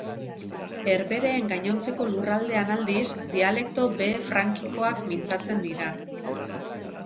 Herbehereen gainontzeko lurraldean, aldiz, dialekto behe-frankikoak mintzatzen dira.